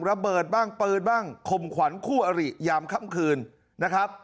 ระเบิดบ้างปืนบ้างคมขวัญคู่อริยามค่ำคืนนะครับ